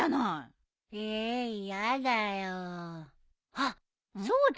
あっそうだ。